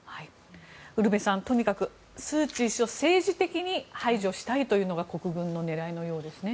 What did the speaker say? ウルヴェさん、とにかくスー・チー氏を政治的に排除したいのが国軍の狙いのようですね。